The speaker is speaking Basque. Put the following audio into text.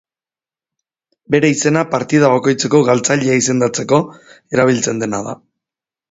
Bere izena partida bakoitzeko galtzailea izendatzeko erabiltzen dena da.